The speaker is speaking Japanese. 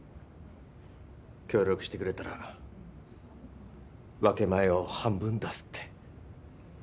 協力してくれたら分け前を半分出すって。